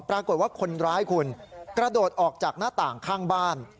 ปรากฏว่าคนร้ายคุณกระโดดออกจากหน้าต่างข้างบ้าน